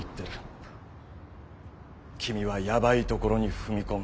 君はヤバいところに踏み込む。